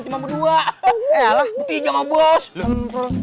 cik s hashtags diketik